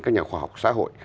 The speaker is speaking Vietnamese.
các nhà khoa học xã hội